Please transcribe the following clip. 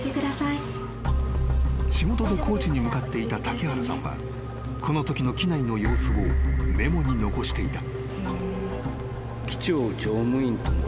［仕事で高知に向かっていた瀧原さんはこのときの機内の様子をメモに残していた］